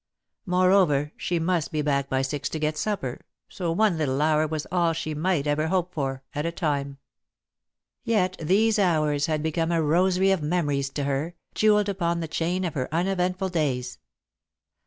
Moreover, she must be back by six to get supper, so one little hour was all she might ever hope for, at a time. [Sidenote: Far Above Her] Yet these hours had become a rosary of memories to her, jewelled upon the chain of her uneventful days.